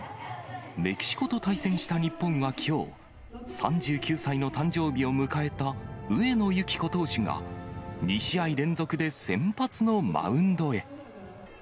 メキシコと対戦した日本はきょう、３９歳の誕生日を迎えた上野由岐子投手が、２試合連続で先発のマウンドへ。